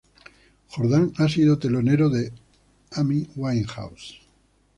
Jordan ha sido telonero de Amy Winehouse.